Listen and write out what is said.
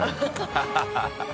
ハハハ